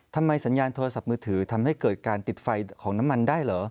สัญญาณโทรศัพท์มือถือทำให้เกิดการติดไฟของน้ำมันได้เหรอ